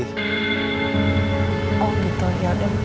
oh gitu yaudah